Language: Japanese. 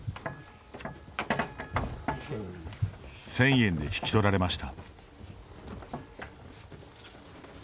１０００円で引き取られました。